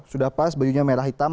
sudah pas bajunya merah hitam